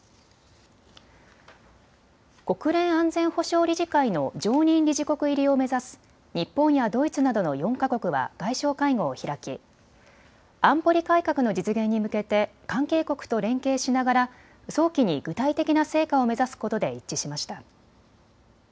国連安全保障理事会の常任理事国入りを目指す日本やドイツなどの４か国は外相会合を開き安保理改革の実現に向けて関係国と連携しながら早期に具体的な成果を目指すことで一致しました。